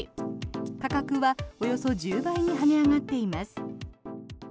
価格はおよそ１０倍に跳ね上がっています。